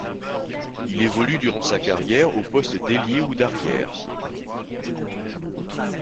Il évolue durant sa carrière aux postes d'ailier ou d'arrière.